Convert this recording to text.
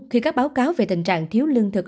khi các báo cáo về tình trạng thiếu lương thực